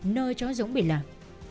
nơi chó dũng bị lạc